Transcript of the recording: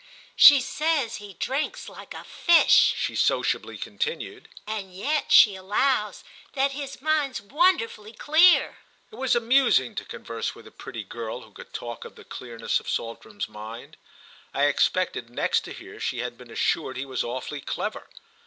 "She says he drinks like a fish," she sociably continued, "and yet she allows that his mind's wonderfully clear." It was amusing to converse with a pretty girl who could talk of the clearness of Saltram's mind. I expected next to hear she had been assured he was awfully clever.